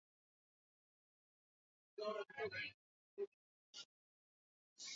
kijeshi lakini kilikuwa kinajinasibu na kujiendesha kwa tamaduni